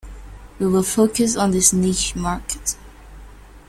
We will focus on this niche market.